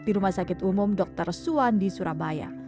di rumah sakit umum dr suwandi surabaya